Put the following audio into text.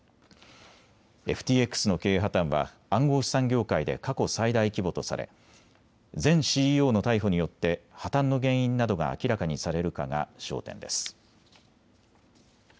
ＦＴＸの経営破綻は暗号資産業界で過去最大規模とされ前ＣＥＯの逮捕によって破綻の原因などが明らかにされるかが焦点です。